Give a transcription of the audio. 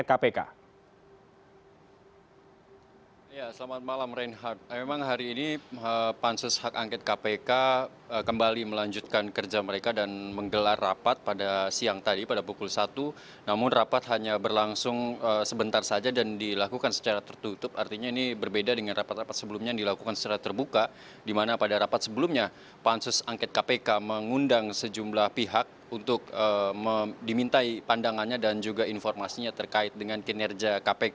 apa perkembangan terbaru yang dihasilkan dari rapat pansus hak angket kpk